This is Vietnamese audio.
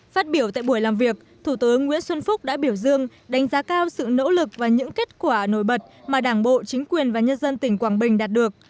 phát biểu tại buổi làm việc thủ tướng nguyễn xuân phúc đã biểu dương đánh giá cao sự nỗ lực và những kết quả nổi bật mà đảng bộ chính quyền và nhân dân tỉnh quảng bình đạt được